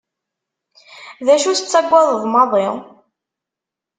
D acu tettagadeḍ maḍi?